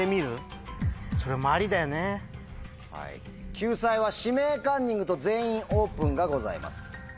救済は「指名カンニング」と「全員オープン」がございます。